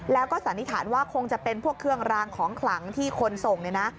แล้วก็สันนิษฐานว่าคงจะเป็นพวกเครื่องรางของขลังที่คนส่งเนี่ยนะ